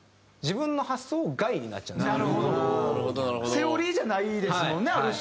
セオリーじゃないですもんねある種。